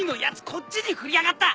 こっちに振りやがった。